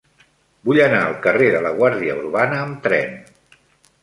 Vull anar al carrer de la Guàrdia Urbana amb tren.